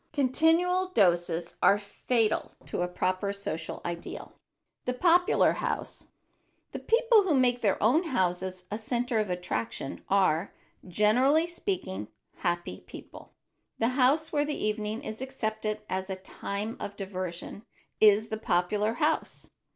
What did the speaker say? Continual doses are fatal to a proper social ideal. [Sidenote: THE POPULAR HOUSE] The people who make their own houses a center of attraction are, generally speaking, happy people. The house where the evening is accepted as a time of diversion is the popular house.